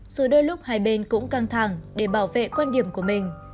dù đôi lúc hai bên cũng căng thẳng để bảo vệ quan điểm của mình